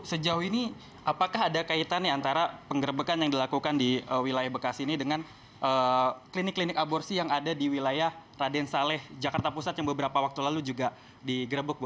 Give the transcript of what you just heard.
sejauh ini apakah ada kaitannya antara penggerbekan yang dilakukan di wilayah bekasi ini dengan klinik klinik aborsi yang ada di wilayah raden saleh jakarta pusat yang beberapa waktu lalu juga digerebek bu